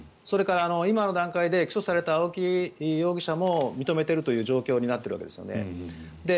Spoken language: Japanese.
今の段階で起訴された青木容疑者も認めているという状況になっているんですね。